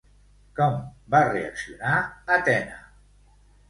Com va reaccionar Atena?